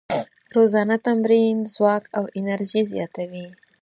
روزانه تمرین د ځواک او انرژۍ زیاتوي.